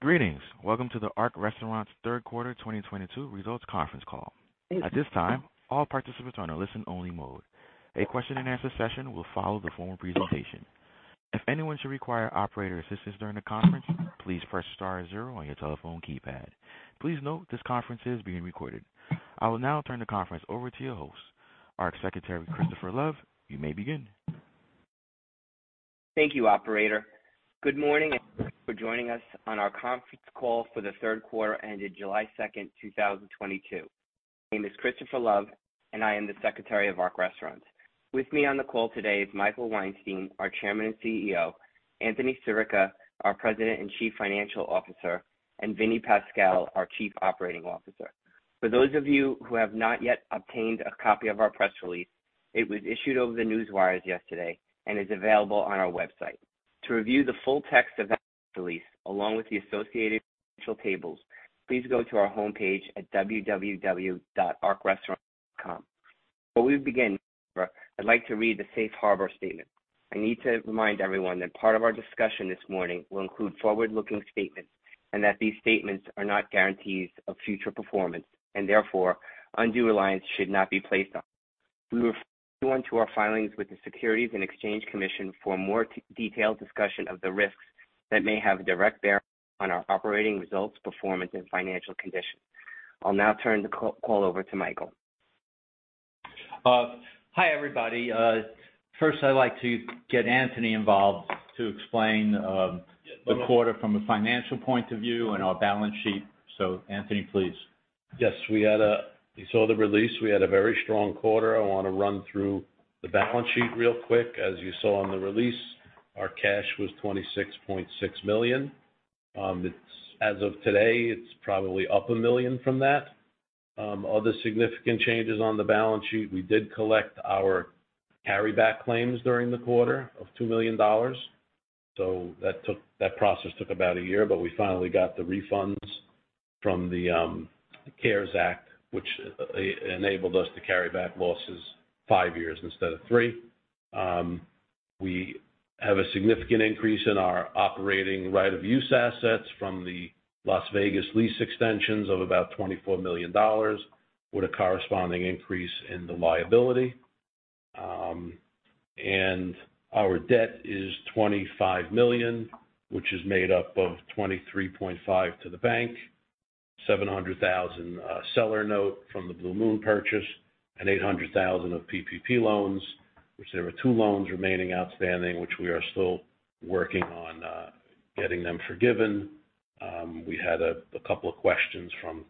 Greetings. Welcome to the Ark Restaurants Q3 2022 results conference call. At this time, all participants are in a listen-only mode. A question-and-answer session will follow the formal presentation. If anyone should require operator assistance during the conference, please press star zero on your telephone keypad. Please note this conference is being recorded. I will now turn the conference over to your host, Ark Secretary Christopher Love. You may begin. Thank you, operator. Good morning and thank you for joining us on our conference call for the Q3 ended July 2nd, 2022. My name is Christopher Love, and I am the Secretary of Ark Restaurants. With me on the call today is Michael Weinstein, our Chairman and CEO, Anthony J. Sirica, our President and Chief Financial Officer, and Vincent Pascal, our Chief Operating Officer. For those of you who have not yet obtained a copy of our press release, it was issued over the newswires yesterday and is available on our website. To review the full text of that release along with the associated financial tables, please go to our homepage at www.arkrestaurants.com. Before we begin, I'd like to read the Safe Harbor statement. I need to remind everyone that part of our discussion this morning will include forward-looking statements and that these statements are not guarantees of future performance and therefore undue reliance should not be placed on them. We refer you to our filings with the Securities and Exchange Commission for a more detailed discussion of the risks that may have a direct bearing on our operating results, performance, and financial condition. I'll now turn the call over to Michael. Hi, everybody. First I'd like to get Anthony involved to explain the quarter from a financial point of view and our balance sheet. Anthony, please. Yes. You saw the release. We had a very strong quarter. I want to run through the balance sheet real quick. As you saw on the release, our cash was $26.6 million. As of today, it's probably up $1 million from that. Other significant changes on the balance sheet, we did collect our carryback claims during the quarter of $2 million. That process took about a year, but we finally got the refunds from the CARES Act, which enabled us to carryback losses five years instead of three. We have a significant increase in our operating right-of-use assets from the Las Vegas lease extensions of about $24 million, with a corresponding increase in the liability. Our debt is $25 million, which is made up of $23.5 million to the bank, $700,000 seller note from the Blue Moon purchase, and $800,000 of PPP loans. There are two loans remaining outstanding, which we are still working on getting them forgiven. We had a couple of questions from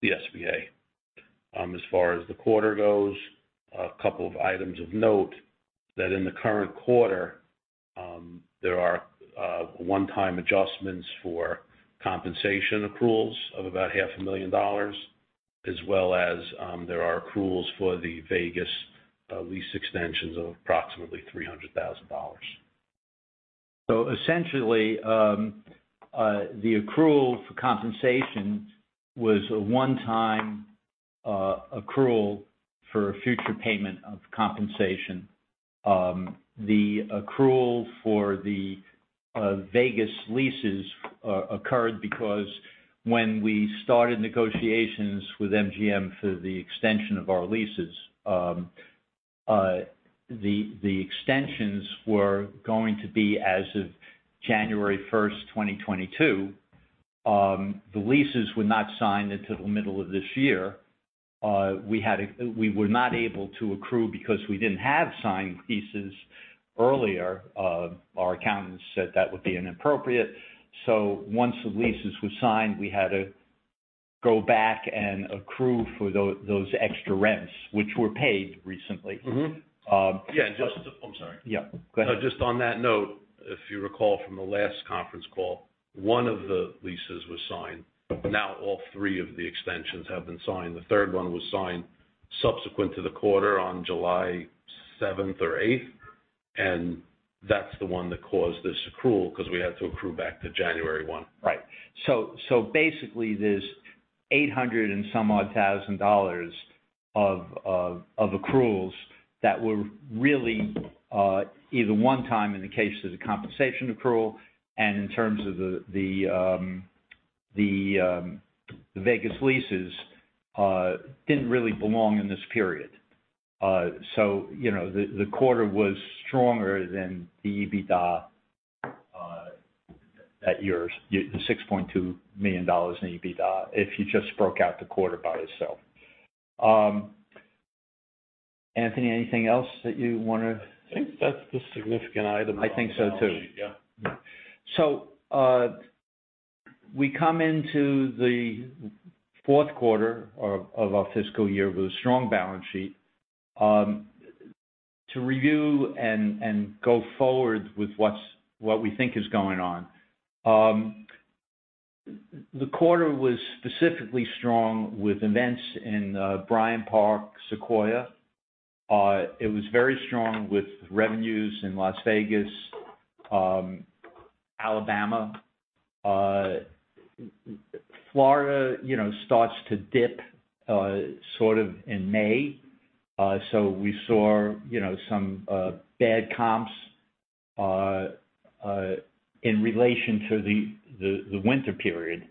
the SBA. As far as the quarter goes, a couple of items of note that in the current quarter, there are one-time adjustments for compensation accruals of about half a million dollars, as well as there are accruals for the Vegas lease extensions of approximately $300,000. Essentially, the accrual for compensation was a one-time accrual for a future payment of compensation. The accrual for the Vegas leases occurred because when we started negotiations with MGM for the extension of our leases, the extensions were going to be as of January 1, 2022. The leases were not signed until the middle of this year. We were not able to accrue because we didn't have signed leases earlier. Our accountants said that would be inappropriate. Once the leases were signed, we had to go back and accrue for those extra rents which were paid recently. Mm-hmm. Um- I'm sorry. Yeah. Go ahead. Just on that note, if you recall from the last conference call, one of the leases was signed. Now, all three of the extensions have been signed. The third one was signed subsequent to the quarter on July 7th or 8th, and that's the one that caused this accrual because we had to accrue back to January 1. Basically, this $800 and some odd thousand dollars of accruals that were really either one time in the case of the compensation accrual and in terms of the Vegas leases didn't really belong in this period. You know, the quarter was stronger than the EBITDA. The $6.2 million in EBITDA if you just broke out the quarter by itself. Anthony, anything else that you want to I think that's the significant item. I think so too. Yeah. We come into the Q4 of our fiscal year with a strong balance sheet to review and go forward with what we think is going on. The quarter was specifically strong with events in Bryant Park, Sequoia. It was very strong with revenues in Las Vegas, Alabama. Florida, you know, starts to dip sort of in May. We saw, you know, some bad comps in relation to the winter period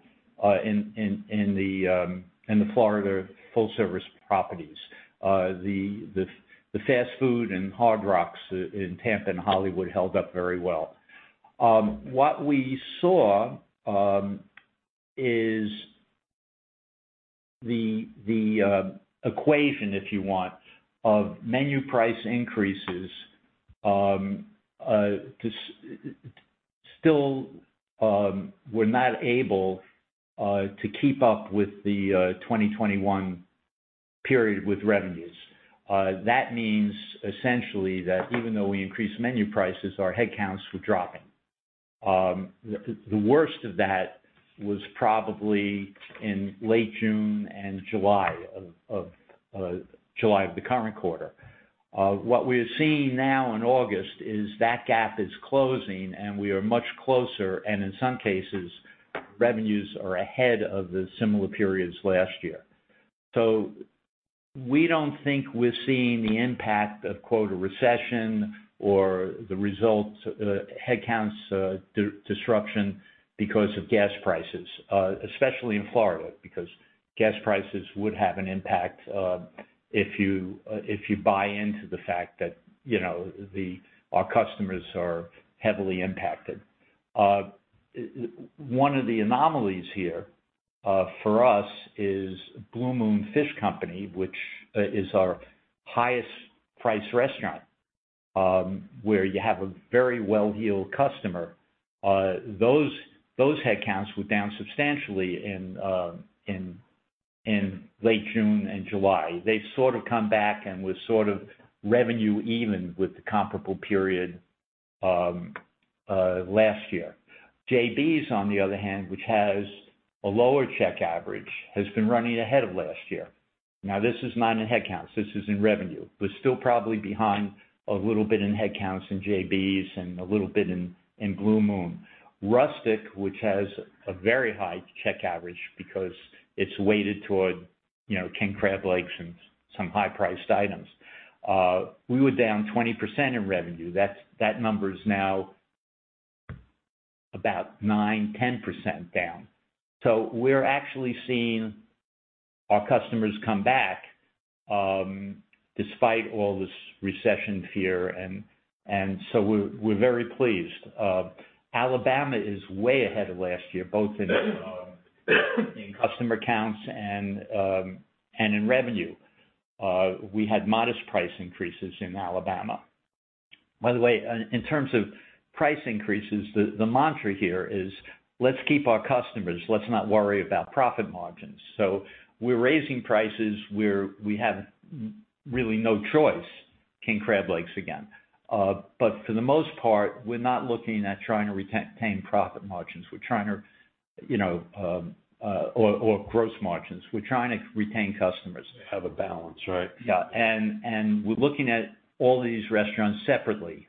in the Florida full service properties. The fast food and Hard Rock's in Tampa and Hollywood held up very well. What we saw is the equation, if you want, of menu price increases to still we're not able to keep up with the 2021 period with revenues. That means essentially that even though we increased menu prices, our headcounts were dropping. The worst of that was probably in late June and July of the current quarter. What we're seeing now in August is that gap is closing, and we are much closer, and in some cases, revenues are ahead of the similar periods last year. We don't think we're seeing the impact of, quote: "A recession" or the results, headcounts disruption because of gas prices, especially in Florida, because gas prices would have an impact, if you buy into the fact that, you know, our customers are heavily impacted. One of the anomalies here for us is Blue Moon Fish Co., which is our highest priced restaurant, where you have a very well-heeled customer. Those headcounts were down substantially in late June and July. They've sort of come back and were sort of revenue even with the comparable period last year. JB's, on the other hand, which has a lower check average, has been running ahead of last year. Now, this is not in headcounts, this is in revenue. We're still probably behind a little bit in headcounts in J.B.'s and a little bit in Blue Moon. Rustic, which has a very high check average because it's weighted toward, you know, king crab legs and some high-priced items. We were down 20% in revenue. That number is now about 9%-10% down. We're actually seeing our customers come back, despite all this recession fear and so we're very pleased. Alabama is way ahead of last year, both in customer counts and in revenue. We had modest price increases in Alabama. By the way, in terms of price increases, the mantra here is, let's keep our customers, let's not worry about profit margins. We're raising prices where we have really no choice, king crab legs again. For the most part, we're not looking at trying to retain profit margins. We're trying to, you know, or gross margins. We're trying to retain customers. Have a balance, right? Yeah. We're looking at all these restaurants separately.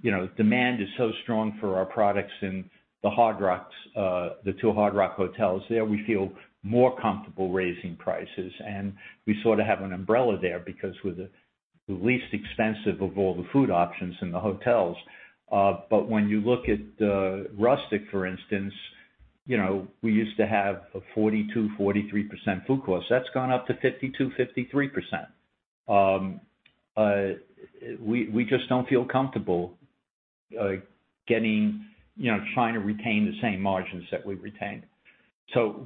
You know, demand is so strong for our products in the Hard Rock's, the two Hard Rock hotels. There, we feel more comfortable raising prices, and we sort of have an umbrella there because we're the least expensive of all the food options in the hotels. But when you look at Rustic, for instance, you know, we used to have a 42%-43% food cost. That's gone up to 52%-53%. We just don't feel comfortable getting, you know, trying to retain the same margins that we've retained.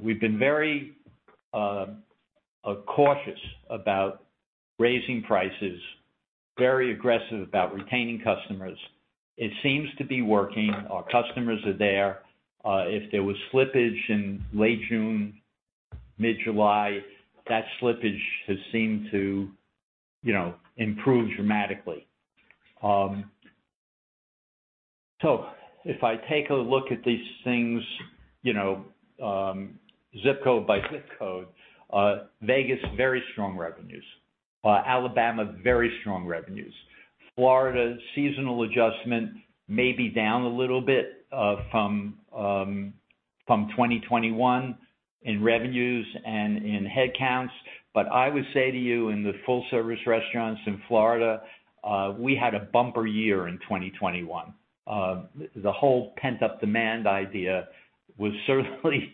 We've been very cautious about raising prices, very aggressive about retaining customers. It seems to be working. Our customers are there. If there was slippage in late June, mid-July, that slippage has seemed to, you know, improve dramatically. If I take a look at these things, you know, zip code by zip code, Vegas, very strong revenues. Alabama, very strong revenues. Florida, seasonal adjustment may be down a little bit, from 2021 in revenues and in headcounts. I would say to you, in the full service restaurants in Florida, we had a bumper year in 2021. The whole pent-up demand idea was certainly,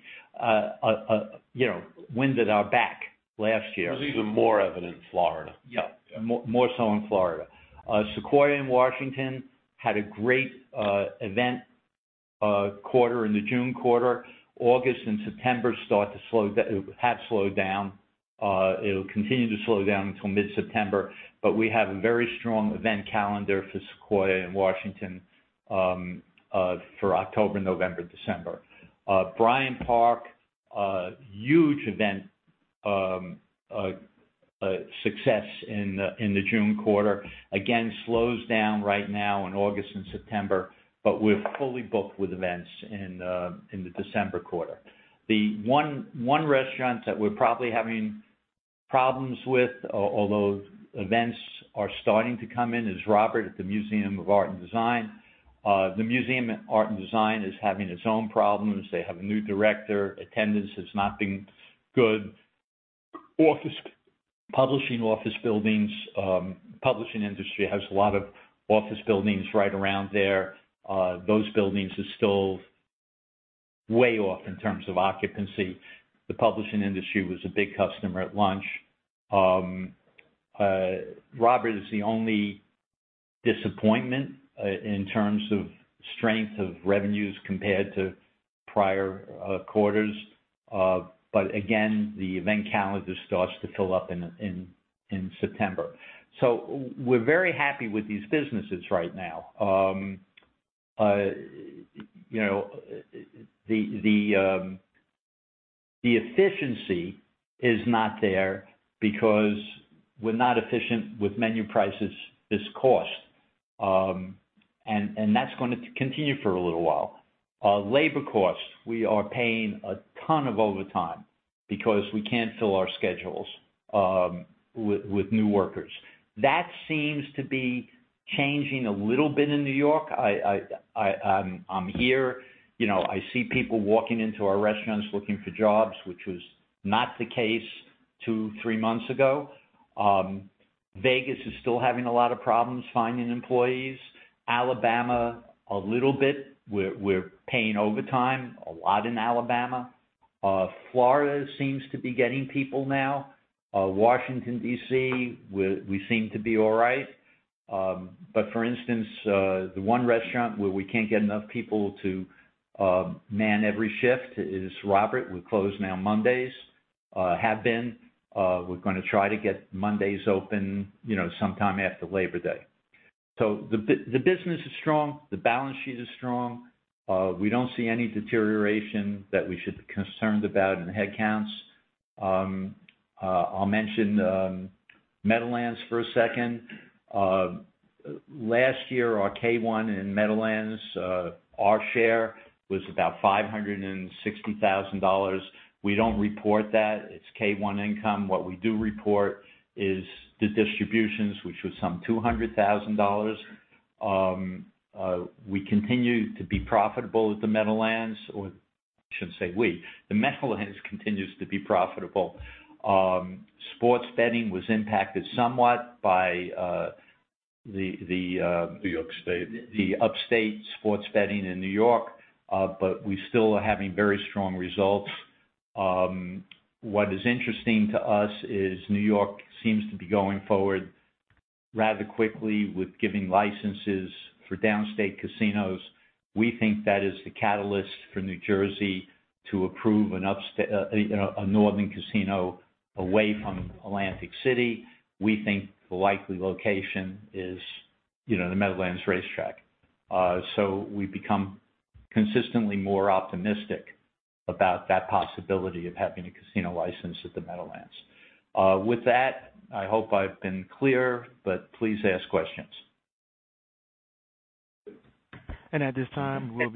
you know, wind at our back last year. It was even more evident in Florida. Yeah. More so in Florida. Sequoia in Washington had a great event quarter in the June quarter. August and September have slowed down. It'll continue to slow down until mid-September. We have a very strong event calendar for Sequoia in Washington for October, November, December. Bryant Park huge event success in the June quarter. Again, slows down right now in August and September, but we're fully booked with events in the December quarter. The one restaurant that we're probably having problems with, although events are starting to come in, is Robert at the Museum of Arts and Design. The Museum of Arts and Design is having its own problems. They have a new director. Attendance has not been good. Office- Publishing office buildings, publishing industry has a lot of office buildings right around there. Those buildings are still way off in terms of occupancy. The publishing industry was a big customer at lunch. Robert is the only disappointment in terms of strength of revenues compared to prior quarters. Again, the event calendar starts to fill up in September. We're very happy with these businesses right now. You know, the efficiency is not there because we're not efficient with menu prices, these costs. That's going to continue for a little while. Labor costs, we are paying a ton of overtime because we can't fill our schedules with new workers. That seems to be changing a little bit in New York. I'm here, you know, I see people walking into our restaurants looking for jobs, which was not the case two, three months ago. Vegas is still having a lot of problems finding employees. Alabama, a little bit. We're paying overtime a lot in Alabama. Florida seems to be getting people now. Washington, D.C., we seem to be all right. For instance, the one restaurant where we can't get enough people to man every shift is Robert. We're closed now Mondays, have been. We're gonna try to get Mondays open, you know, sometime after Labor Day. The business is strong. The balance sheet is strong. We don't see any deterioration that we should be concerned about in the headcounts. I'll mention Meadowlands for a second. Last year, our K-1 in Meadowlands, our share was about $560,000. We don't report that. It's K-1 income. What we do report is the distributions, which was some $200,000. We continue to be profitable with the Meadowlands or I shouldn't say we. The Meadowlands continues to be profitable. Sports betting was impacted somewhat by the, New York State The upstate sports betting in New York, but we still are having very strong results. What is interesting to us is New York seems to be going forward rather quickly with giving licenses for downstate casinos. We think that is the catalyst for New Jersey to approve a northern casino away from Atlantic City. We think the likely location is, you know, the Meadowlands Racetrack. We've become consistently more optimistic about that possibility of having a casino license at the Meadowlands. With that, I hope I've been clear, but please ask questions. At this time, we'll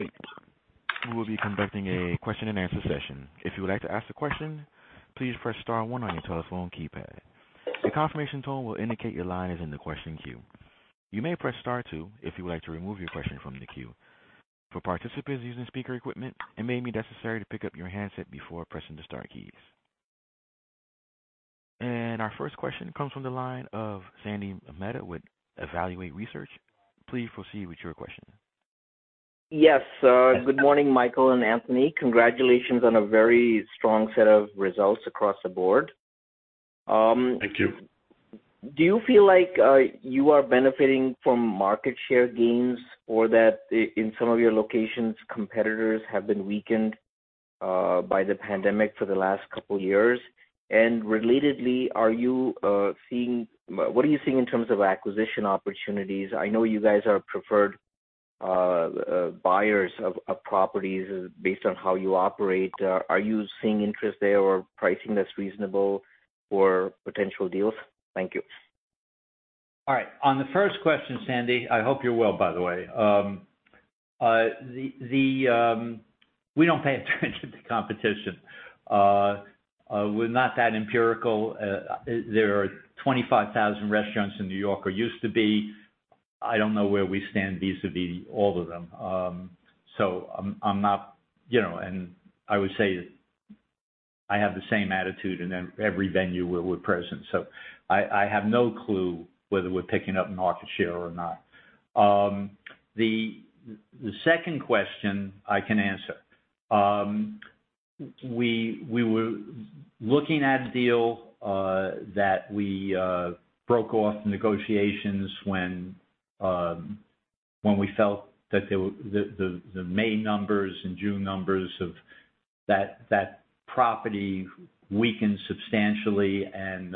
be conducting a question and answer session. If you would like to ask a question, please press star one on your telephone keypad. A confirmation tone will indicate your line is in the question queue. You may press star two if you would like to remove your question from the queue. For participants using speaker equipment, it may be necessary to pick up your handset before pressing the star keys. Our first question comes from the line of Sandy Mehta with Evaluate Research. Please proceed with your question. Yes. Good morning, Michael and Anthony. Congratulations on a very strong set of results across the board. Thank you. Do you feel like you are benefiting from market share gains or that in some of your locations, competitors have been weakened by the pandemic for the last couple years? Relatedly, what are you seeing in terms of acquisition opportunities? I know you guys are preferred buyers of properties based on how you operate. Are you seeing interest there or pricing that's reasonable for potential deals? Thank you. All right. On the first question, Sandy, I hope you're well, by the way. We don't pay attention to competition. We're not that empirical. There are 25,000 restaurants in New York or used to be. I don't know where we stand vis-a-vis all of them. I'm not, you know, and I would say I have the same attitude in every venue where we're present. I have no clue whether we're picking up market share or not. The second question I can answer. We were looking at a deal that we broke off negotiations when we felt that the May numbers and June numbers of that property weakened substantially and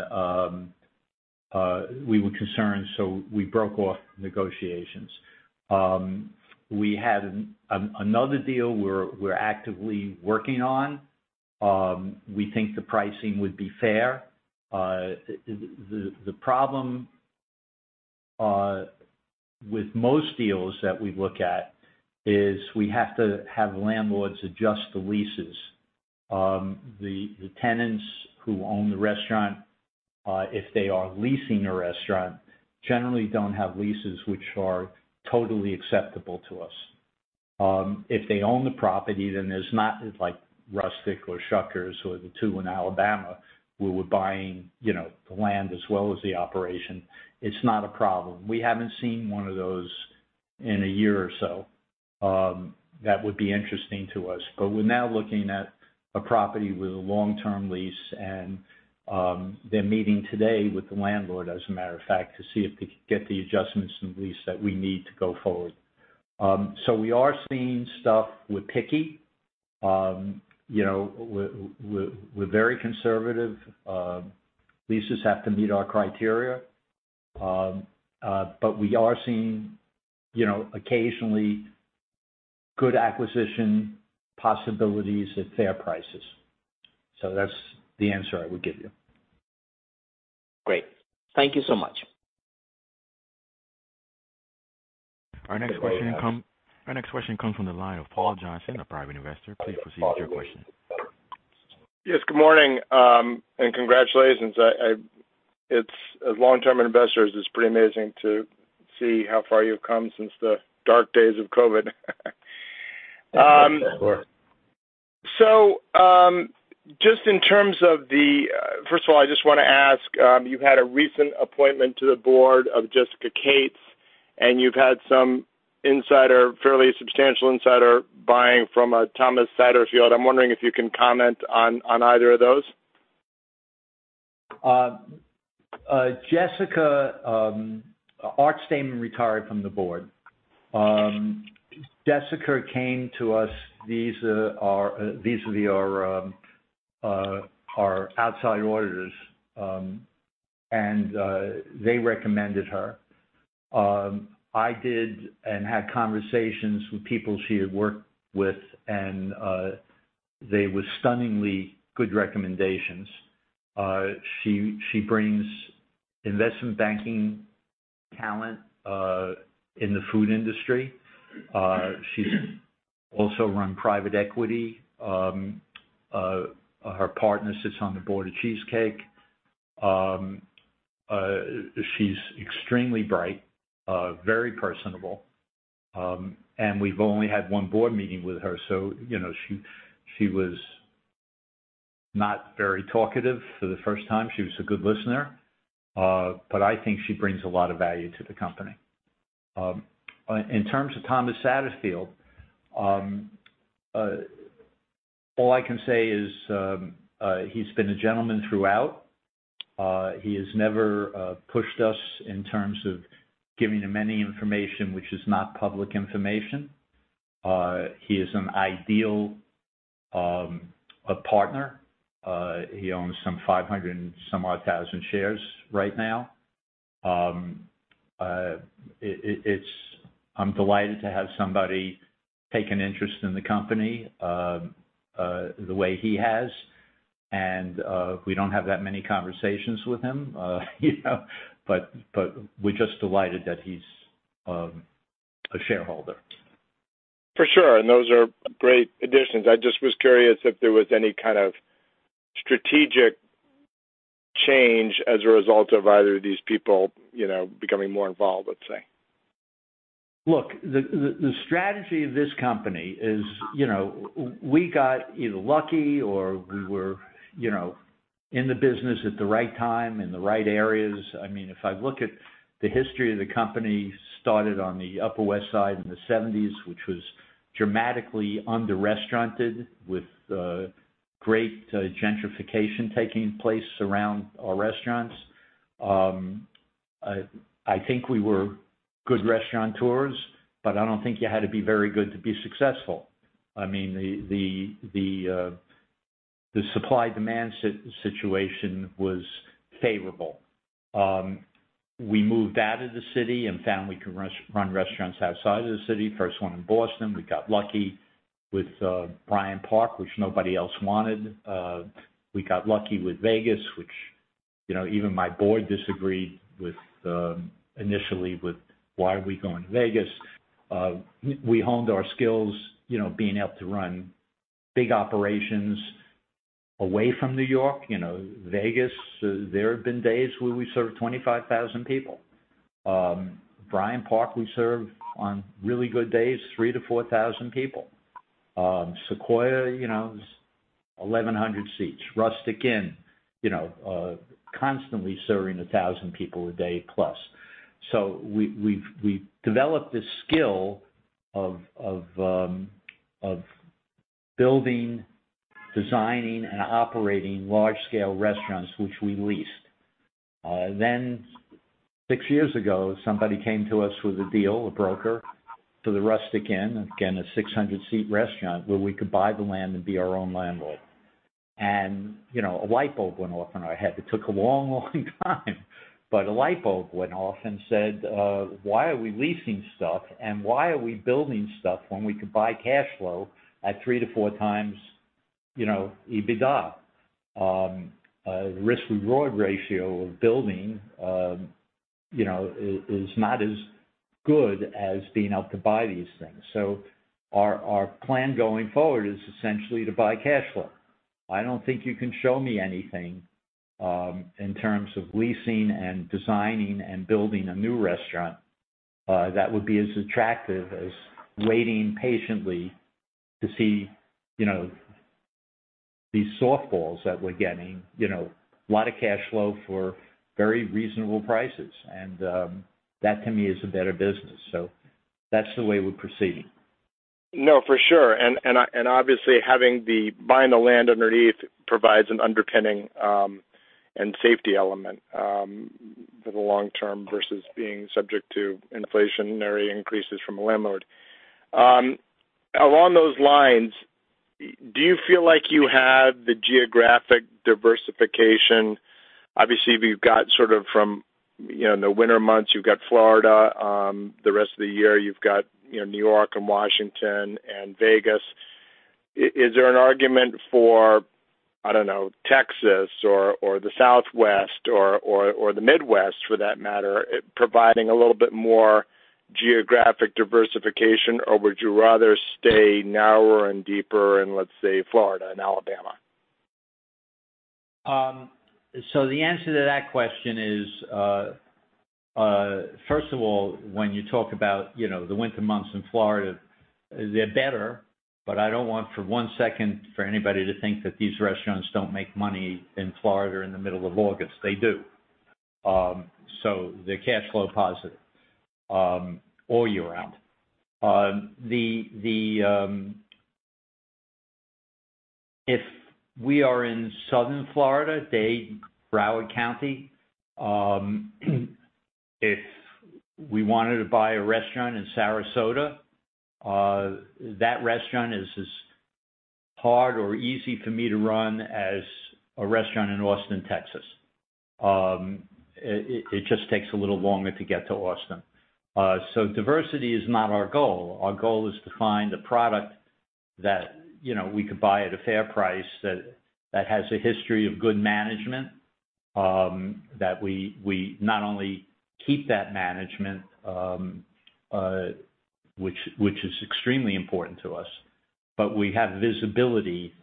we were concerned, so we broke off negotiations. We had another deal we're actively working on. We think the pricing would be fair. The problem with most deals that we look at is we have to have landlords adjust the leases. The tenants who own the restaurant. If they are leasing a restaurant, generally don't have leases which are totally acceptable to us. If they own the property, then there's not like Rustic or Shuckers or the two in Alabama where we're buying, you know, the land as well as the operation. It's not a problem. We haven't seen one of those in a year or so that would be interesting to us. We're now looking at a property with a long-term lease and, they're meeting today with the landlord, as a matter of fact, to see if they can get the adjustments in lease that we need to go forward. We are seeing stuff. We're picky. You know, we're very conservative. Leases have to meet our criteria. We are seeing, you know, occasionally good acquisition possibilities at fair prices. That's the answer I would give you. Great. Thank you so much. You're very welcome. Our next question comes from the line of Paul Johnson, a private investor. Please proceed with your question. Yes, good morning. Congratulations. As long-term investors, it's pretty amazing to see how far you've come since the dark days of COVID. Sure. First of all, I just wanna ask, you've had a recent appointment to the board of Jessica Kates, and you've had some insider, fairly substantial insider buying from a Thomas Satterfield. I'm wondering if you can comment on either of those. Jessica, Arthur Stainman retired from the board. Jessica came to us. These are our outside auditors, and they recommended her. I did and had conversations with people she had worked with, and they were stunningly good recommendations. She brings investment banking talent in the food industry. She's also run private equity. Her partner sits on the board of Cheesecake. She's extremely bright, very personable. We've only had one board meeting with her, so you know, she was not very talkative for the first time. She was a good listener, but I think she brings a lot of value to the company. In terms of Thomas Satterfield Jr., all I can say is he's been a gentleman throughout. He has never pushed us in terms of giving him any information which is not public information. He is an ideal partner. He owns some 500 and some odd thousand shares right now. I'm delighted to have somebody take an interest in the company, the way he has, and we don't have that many conversations with him, you know, but we're just delighted that he's a shareholder. For sure. Those are great additions. I just was curious if there was any kind of strategic change as a result of either of these people, you know, becoming more involved, let's say. Look, the strategy of this company is, you know, we got either lucky or we were, you know, in the business at the right time, in the right areas. I mean, if I look at the history of the company, started on the Upper West Side in the 70s, which was dramatically under-restauranted with great gentrification taking place around our restaurants. I think we were good restaurateurs, but I don't think you had to be very good to be successful. I mean, the supply-demand situation was favorable. We moved out of the city and found we can run restaurants outside of the city. First one in Boston. We got lucky with Bryant Park, which nobody else wanted. We got lucky with Vegas, which, you know, even my board disagreed with initially with, "Why are we going to Vegas?" We honed our skills, you know, being able to run big operations away from New York. You know, Vegas, there have been days where we served 25,000 people. Bryant Park, we serve, on really good days, 3,000-4,000 people. Sequoia, you know, is 1,100 seats. Rustic Inn, you know, constantly serving 1,000 people a day plus. We've developed this skill of building, designing, and operating large-scale restaurants which we leased. Then six years ago, somebody came to us with a deal, a broker, for the Rustic Inn, again, a 600 seat restaurant where we could buy the land and be our own landlord. You know, a light bulb went off in our head. It took a long, long time, but a light bulb went off and said, "Why are we leasing stuff, and why are we building stuff when we could buy cash flow at 3-4x, you know, EBITDA?" Risk and reward ratio of building, you know, is not as good as being able to buy these things. Our plan going forward is essentially to buy cash flow. I don't think you can show me anything in terms of leasing and designing and building a new restaurant that would be as attractive as waiting patiently to see, you know, these softballs that we're getting, you know, a lot of cash flow for very reasonable prices and that to me is a better business. That's the way we're proceeding. No, for sure. Obviously buying the land underneath provides an underpinning and safety element for the long-term versus being subject to inflationary increases from a landlord. Along those lines, do you feel like you have the geographic diversification? Obviously, you've got sort of from, you know, in the winter months, you've got Florida. The rest of the year, you've got, you know, New York and Washington and Vegas. Is there an argument for, I don't know, Texas or the Southwest or the Midwest for that matter, providing a little bit more geographic diversification? Or would you rather stay narrower and deeper in, let's say, Florida and Alabama? The answer to that question is, first of all, when you talk about, you know, the winter months in Florida, they're better, but I don't want for one second for anybody to think that these restaurants don't make money in Florida in the middle of August. They do. They're cash flow positive all year round. If we are in Southern Florida, Dade, Broward County, if we wanted to buy a restaurant in Sarasota, that restaurant is as hard or easy for me to run as a restaurant in Austin, Texas. It just takes a little longer to get to Austin. Diversity is not our goal. Our goal is to find a product that, you know, we could buy at a fair price that has a history of good management, that we not only keep that management, which is extremely important to us, but we have visibility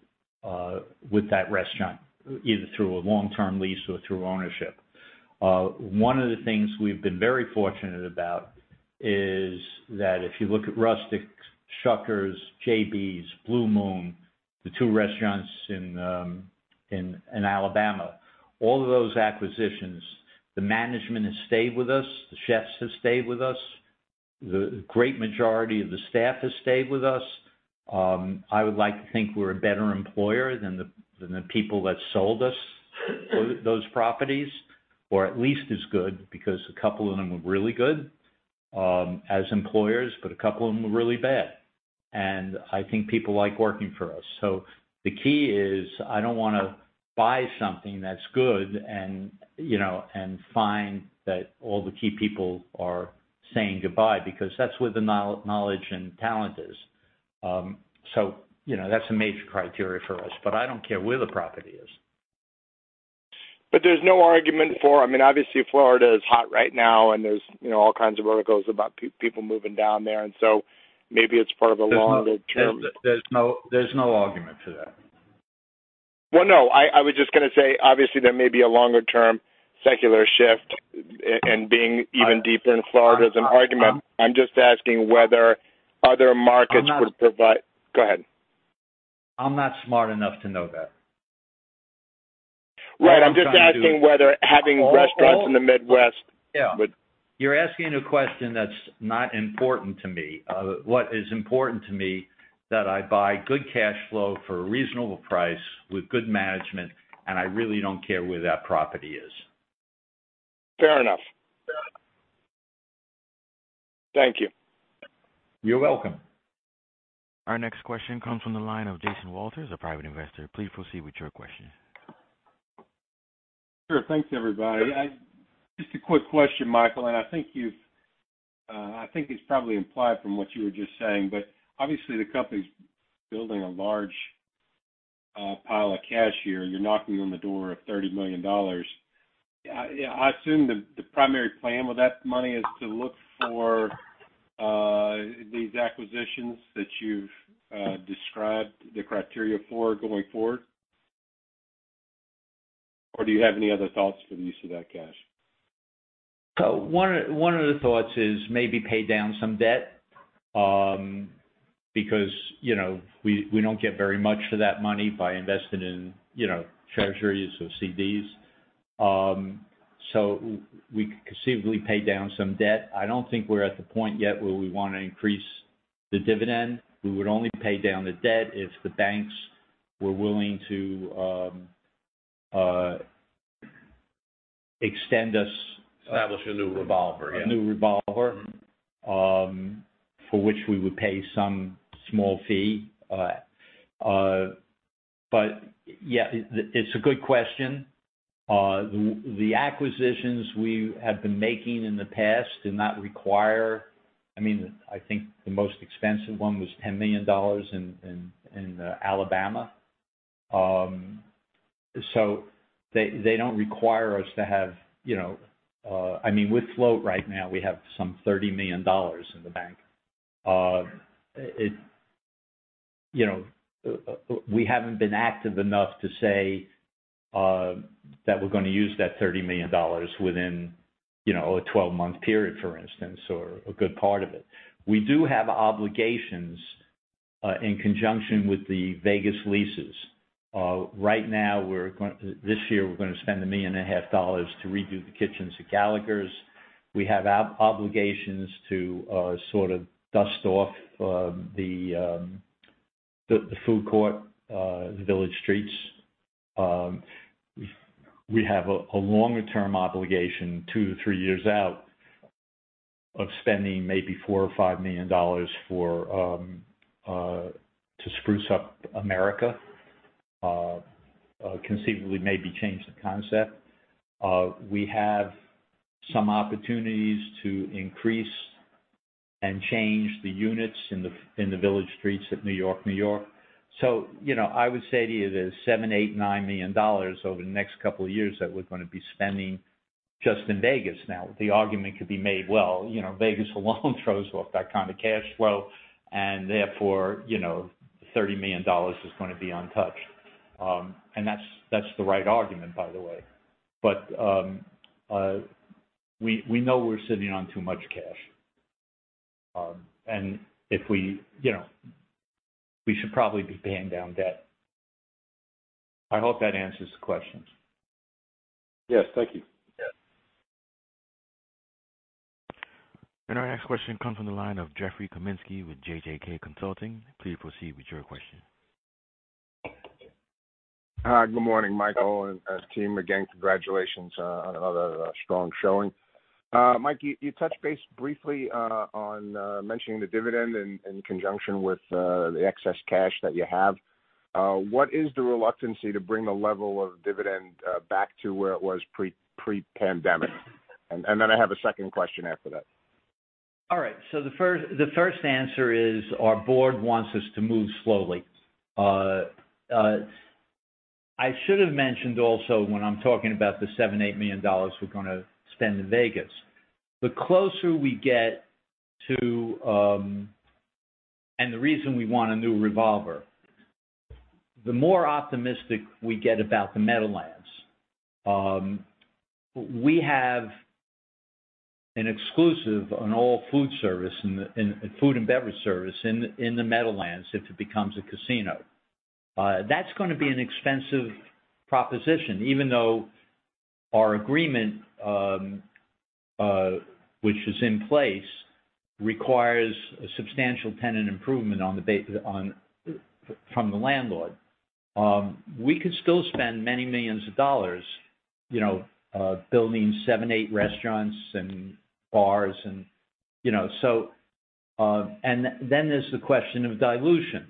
with that restaurant, either through a long-term lease or through ownership. One of the things we've been very fortunate about is that if you look at Rustic's, Shuckers, JB's, Blue Moon, the two restaurants in Alabama, all of those acquisitions, the management has stayed with us, the chefs have stayed with us, the great majority of the staff has stayed with us. I would like to think we're a better employer than the people that sold us those properties, or at least as good, because a couple of them were really good, as employers, but a couple of them were really bad. I think people like working for us. The key is, I don't wanna buy something that's good and, you know, and find that all the key people are saying goodbye, because that's where the knowledge and talent is. You know, that's a major criteria for us, but I don't care where the property is. I mean, obviously, Florida is hot right now, and there's, you know, all kinds of articles about people moving down there. Maybe it's part of a longer term. There's no argument to that. Well, no, I was just gonna say, obviously, there may be a longer-term secular shift in being even deeper in Florida is an argument. I'm just asking whether other markets. I'm not. Go ahead. I'm not smart enough to know that. Right. I'm just asking whether having restaurants in the Midwest. Yeah. Would- You're asking a question that's not important to me. What is important to me, that I buy good cash flow for a reasonable price with good management, and I really don't care where that property is. Fair enough. Thank you. You're welcome. Our next question comes from the line of Jason Walters, a private investor. Please proceed with your question. Sure. Thanks, everybody. Just a quick question, Michael, and I think it's probably implied from what you were just saying, but obviously the company's building a large pile of cash here. You're knocking on the door of $30 million. I assume the primary plan with that money is to look for these acquisitions that you've described the criteria for going forward. Or do you have any other thoughts for the use of that cash? One of the thoughts is maybe pay down some debt, because, you know, we don't get very much for that money by investing in, you know, Treasuries or CDs. We could conceivably pay down some debt. I don't think we're at the point yet where we wanna increase the dividend. We would only pay down the debt if the banks were willing to extend us. Establish a new revolver, yeah. A new revolver, for which we would pay some small fee. Yeah, it's a good question. The acquisitions we have been making in the past do not require. I mean, I think the most expensive one was $10 million in Alabama. They don't require us to have, you know. I mean, with float right now, we have some $30 million in the bank. It, you know, we haven't been active enough to say that we're gonna use that $30 million within, you know, a 12-month period, for instance, or a good part of it. We do have obligations in conjunction with the Vegas leases. Right now, this year, we're gonna spend $1.5 million to redo the kitchens at Gallagher's. We have obligations to sort of dust off the food court, Village Street Eateries. We have a longer-term obligation, 2-3 years out, of spending maybe $4 million or $5 million to spruce up America, conceivably maybe change the concept. We have some opportunities to increase and change the units in the Village Street Eateries at New York-New York. You know, I would say to you the $7, $8, $9 million over the next couple of years that we're gonna be spending just in Vegas now. The argument could be made, well, you know, Vegas alone throws off that kind of cash flow, and therefore, you know, $30 million is gonna be untouched. That's the right argument, by the way. We know we're sitting on too much cash. If we, you know, we should probably be paying down debt. I hope that answers the questions. Yes. Thank you. Yeah. Our next question comes from the line of Jeffrey Kaminsky with JJK Consultants. Please proceed with your question. Hi. Good morning, Michael and team. Again, congratulations on another strong showing. Mike, you touched base briefly on mentioning the dividend in conjunction with the excess cash that you have. What is the reluctance to bring the level of dividend back to where it was pre-pandemic? I have a second question after that. All right. The first answer is our board wants us to move slowly. I should have mentioned also when I'm talking about the $7 million-$8 million we're gonna spend in Vegas, the closer we get to. The reason we want a new revolver, the more optimistic we get about the Meadowlands. We have an exclusive on all food and beverage service in the Meadowlands if it becomes a casino. That's gonna be an expensive proposition, even though our agreement, which is in place, requires a substantial tenant improvement from the landlord. We could still spend many millions of dollars, you know, building 7-8 restaurants and bars and, you know. Then there's the question of dilution.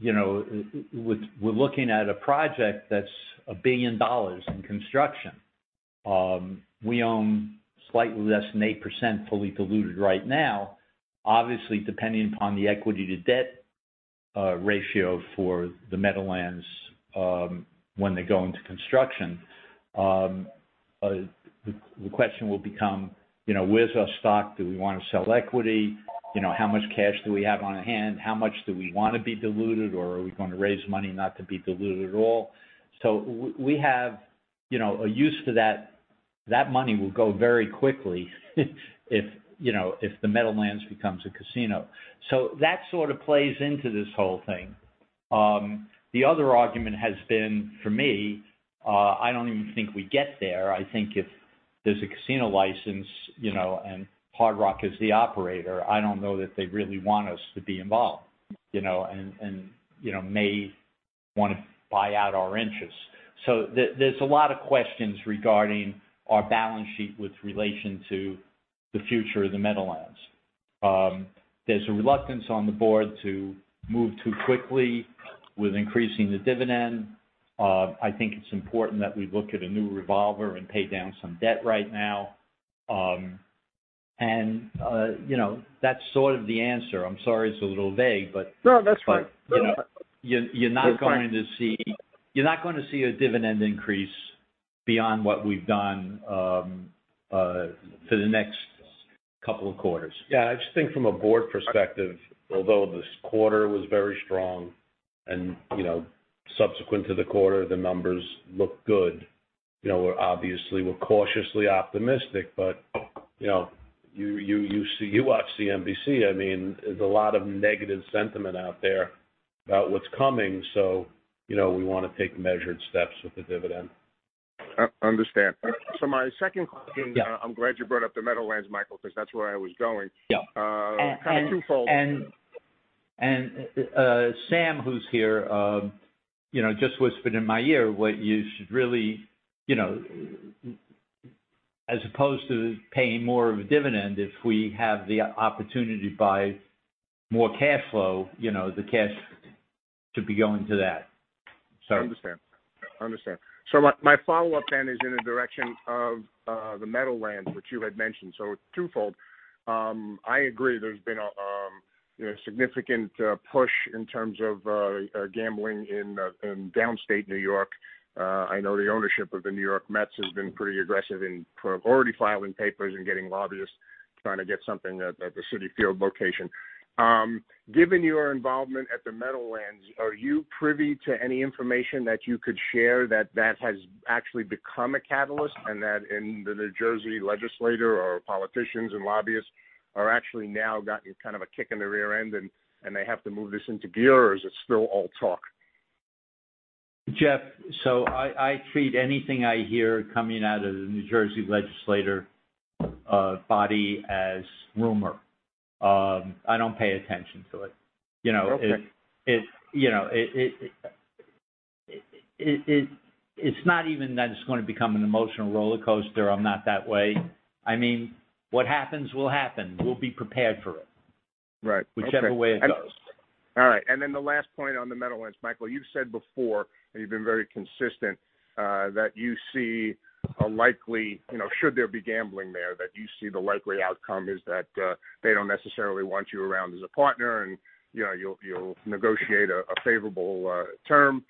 You know, we're looking at a project that's $1 billion in construction. We own slightly less than 8%, fully diluted right now. Obviously, depending upon the equity-to-debt ratio for the Meadowlands, when they go into construction, the question will become, you know, where's our stock? Do we wanna sell equity? You know, how much cash do we have on hand? How much do we wanna be diluted, or are we gonna raise money not to be diluted at all? We have, you know, a use for that. That money will go very quickly if, you know, if the Meadowlands becomes a casino. That sort of plays into this whole thing. The other argument has been, for me, I don't even think we'd get there. I think if there's a casino license, you know, and Hard Rock is the operator, I don't know that they'd really want us to be involved, you know, and you know, may wanna buy out our interest. There's a lot of questions regarding our balance sheet with relation to the future of the Meadowlands. There's a reluctance on the board to move too quickly with increasing the dividend. I think it's important that we look at a new revolver and pay down some debt right now. You know, that's sort of the answer. I'm sorry it's a little vague, but. No, that's fine. You know, you're not going to see a dividend increase beyond what we've done for the next couple of quarters. Yeah. I just think from a board perspective, although this quarter was very strong and, you know, subsequent to the quarter, the numbers look good, you know, we're cautiously optimistic. You know, you see, you watch CNBC. I mean, there's a lot of negative sentiment out there about what's coming. You know, we wanna take measured steps with the dividend. Understand. My second question- Yeah. I'm glad you brought up the Meadowlands, Michael, 'cause that's where I was going. Yeah. Kind of twofold. Sam, who's here, you know, just whispered in my ear what you should really, you know. As opposed to paying more of a dividend, if we have the opportunity to buy more cash flow, you know, the cash should be going to that. Understand. My follow-up then is in the direction of the Meadowlands, which you had mentioned. It's twofold. I agree there's been a you know significant push in terms of gambling in downstate New York. I know the ownership of the New York Mets has been pretty aggressive in priority filing papers and getting lobbyists trying to get something at the Citi Field location. Given your involvement at the Meadowlands, are you privy to any information that you could share that has actually become a catalyst and that in the New Jersey legislature or politicians and lobbyists are actually now gotten kind of a kick in the rear end and they have to move this into gear or is it still all talk? Jeff, I treat anything I hear coming out of the New Jersey legislative body as rumor. I don't pay attention to it. You know. Okay. It's, you know, it's not even that it's gonna become an emotional rollercoaster. I'm not that way. I mean, what happens will happen. We'll be prepared for it. Right. Okay. Whichever way it goes. All right. The last point on the Meadowlands, Michael, you've said before, and you've been very consistent, that you see a likely, you know, should there be gambling there, that you see the likely outcome is that, they don't necessarily want you around as a partner and, you know, you'll negotiate a favorable term,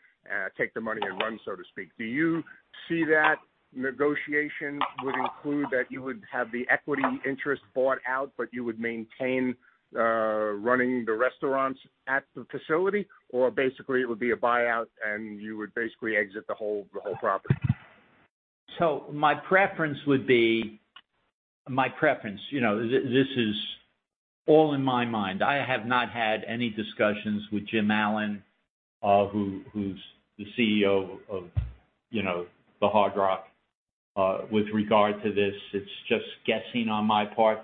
take the money and run, so to speak. Do you see that negotiation would include that you would have the equity interest bought out, but you would maintain running the restaurants at the facility, or basically it would be a buyout and you would basically exit the whole property? My preference would be my preference, you know, this is all in my mind. I have not had any discussions with Jim Allen, who is the CEO of the Hard Rock, with regard to this. It's just guessing on my part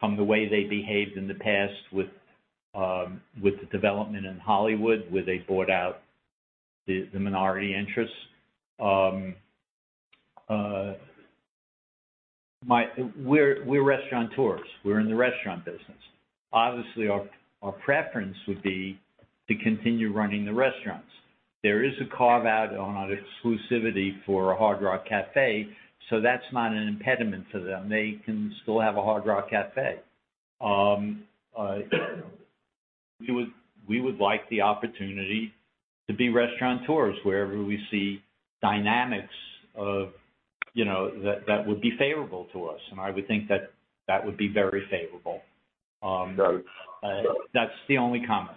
from the way they behaved in the past with the development in Hollywood, where they bought out the minority interests. We're restaurateurs. We're in the restaurant business. Obviously, our preference would be to continue running the restaurants. There is a carve-out on exclusivity for a Hard Rock Cafe, so that's not an impediment to them. They can still have a Hard Rock Cafe. We would like the opportunity to be restaurateurs wherever we see dynamics of that would be favorable to us. I would think that that would be very favorable. Got it. That's the only comment.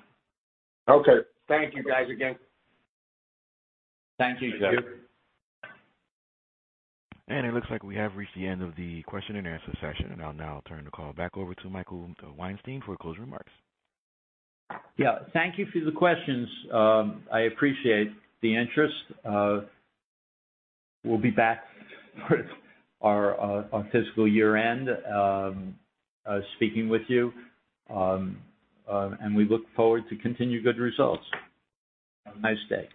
Okay. Thank you, guys, again. Thank you, Jeff. It looks like we have reached the end of the question and answer session. I'll now turn the call back over to Michael Weinstein for closing remarks. Yeah. Thank you for the questions. I appreciate the interest. We'll be back for our fiscal year-end speaking with you, and we look forward to continued good results. Have a nice day.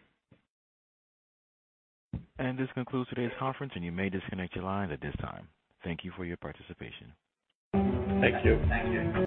This concludes today's conference, and you may disconnect your line at this time. Thank you for your participation. Thank you.